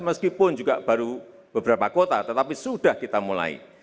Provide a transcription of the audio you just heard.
meskipun juga baru beberapa kota tetapi sudah kita mulai